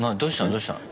どうしたの？